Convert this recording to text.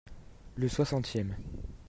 Le soixantième.